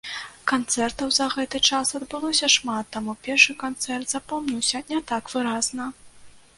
Канцэртаў за гэты час адбылося шмат, таму першы канцэрт запомніўся не так выразна.